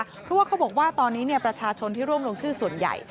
เพราะว่าเขาบอกว่าตอนนี้ประชาชนที่ร่วมลงชื่อส่วนใหญ่